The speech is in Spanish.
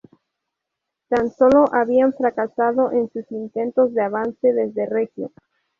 Tan solo habían fracasado en sus intentos de avance desde Reggio.